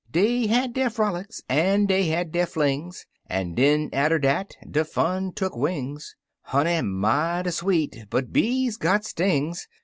Dey had der frolics an' dey had der flings. An' den atter dat der fun tuck wings. Honey mighty sweet, but bees got stings.